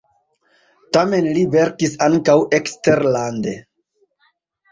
Tamen li verkis ankaŭ eksterlande.